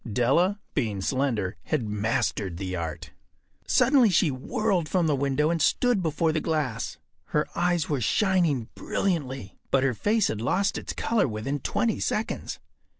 Della, being slender, had mastered the art. Suddenly she whirled from the window and stood before the glass. Her eyes were shining brilliantly, but her face had lost its color within twenty seconds.